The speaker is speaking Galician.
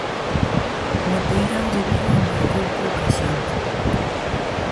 No peirao de Vigo embarcou pouca xente.